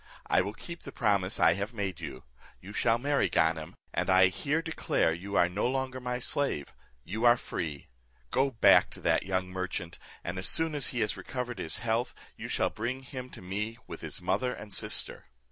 I will keep the promise I have made you. You shall marry Ganem, and I here declare you are no longer my slave; you are free. Go back to that young merchant, and as soon as he has recovered his health, you shall bring him to me with his mother and sister."